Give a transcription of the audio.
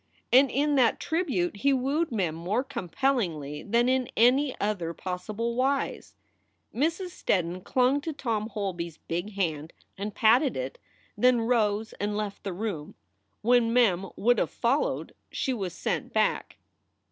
And in that tribute he wooed Mem more compellingly than in any other possible wise. Mrs. Steddon clung to Tom Holby s big hand and patted it, then rose and left the room. When Mem would have followed, she was sent back.